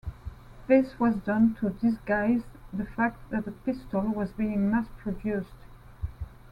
This was done to disguise the fact that a pistol was being mass-produced.